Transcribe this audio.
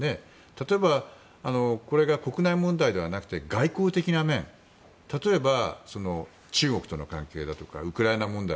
例えばこれが国内問題ではなくて外交的な面例えば、中国との関係だとかウクライナ問題。